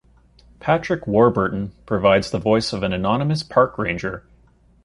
Patrick Warburton provides the voice of an anonymous park ranger.